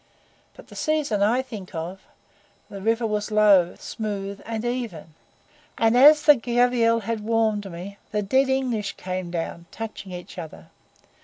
But the season I think of, the river was low, smooth, and even, and, as the Gavial had warned me, the dead English came down, touching each other.